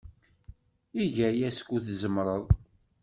Eg aya skud tzemred.